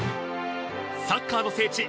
サッカーの聖地